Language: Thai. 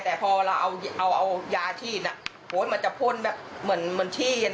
แต่พอเราเอายาที่โอ๊ยมันจะพ่นแบบที่